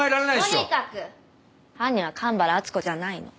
とにかく犯人は神原敦子じゃないの。